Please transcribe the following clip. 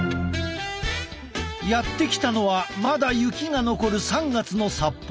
やって来たのはまだ雪が残る３月の札幌。